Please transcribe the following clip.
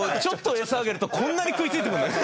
ちょっと餌あげるとこんなに食いついてくる。